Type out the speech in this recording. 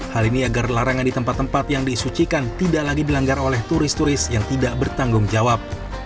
hal ini agar larangan di tempat tempat yang disucikan tidak lagi dilanggar oleh turis turis yang tidak bertanggung jawab